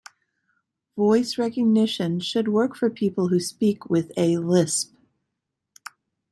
Voice recognition should work for people who speak with a lisp.